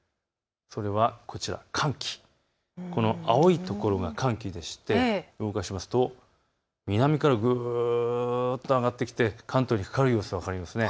それでは寒気、青い所が寒気で動かすと南からぐっと上がってきて関東にかかる様子が分かります。